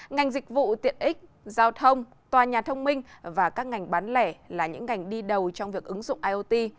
ngành dịch vụ tiện ích giao thông tòa nhà thông minh và các ngành bán lẻ là những ngành đi đầu trong việc ứng dụng iot